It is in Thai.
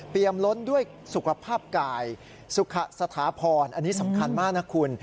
ล้นด้วยสุขภาพกายสุขสถาพรอันนี้สำคัญมากนะคุณ